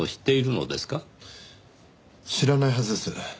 知らないはずです。